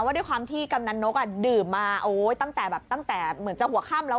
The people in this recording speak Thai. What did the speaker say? ว่าด้วยความที่กำนักนกดื่มมาตั้งแต่เหมือนจะหัวข้ำแล้ว